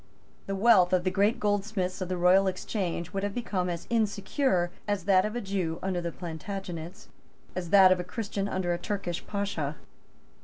The wealth of the great goldsmiths of the Royal Exchange would have become as insecure as that of a Jew under the Plantagenets, as that of a Christian under a Turkish Pasha.